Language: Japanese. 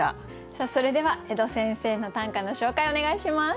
それでは江戸先生の短歌の紹介をお願いします。